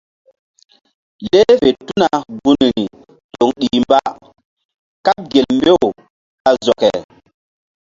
Leh fe tuna gunri toŋ ɗih mba kaɓ gel mbew ɓa zɔke.